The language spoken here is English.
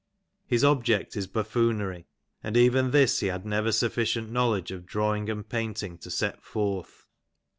His object is buffoonery, and even this he had never suflicieut knowledge of draw ing and painting to set forth.